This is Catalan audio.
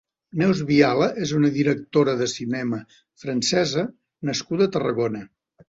Neus Viala és una directora de cinema francesa nascuda a Tarragona.